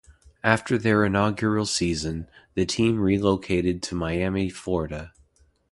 After their inaugural season, the team relocated to Miami, Florida.